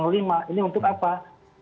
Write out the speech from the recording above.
bagaimana jaminan kepastian hukum dan kebenaran